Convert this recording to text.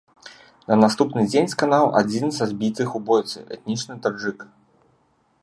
На наступны дзень сканаў адзін са збітых у бойцы, этнічны таджык.